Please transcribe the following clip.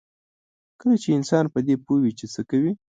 کله چې انسان په دې پوه وي چې څه کوي.